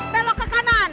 belok ke kanan